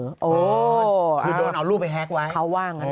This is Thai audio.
คือโดนเอารูปไปแฮกไว้